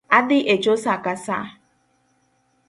Adhi echo sa ka sa